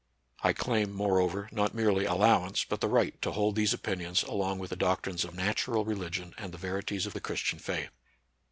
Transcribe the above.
I claim, moreover, not merely allowance, but the right to hold these opinions along with the doctrines of natu ral religion and the verities of the Christian faith.